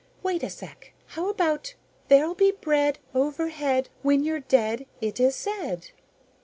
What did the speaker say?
"Wait a sec. How about? "_There'll be bread Overhead When you're dead It is said.